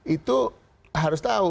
itu harus tahu